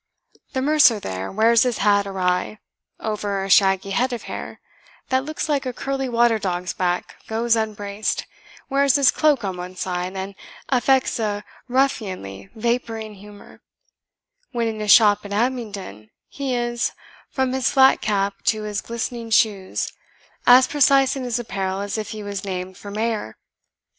The mercer there wears his hat awry, over a shaggy head of hair, that looks like a curly water dog's back, goes unbraced, wears his cloak on one side, and affects a ruffianly vapouring humour: when in his shop at Abingdon, he is, from his flat cap to his glistening shoes, as precise in his apparel as if he was named for mayor.